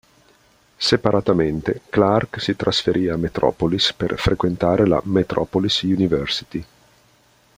Separatamente, Clark si trasferì a Metropolis per frequentare la Metropolis University.